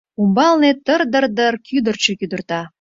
Умбалне тыр-дыр-дыр кӱдырчӧ кӱдырта.